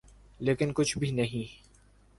لیکن کچھ بھی نہیں۔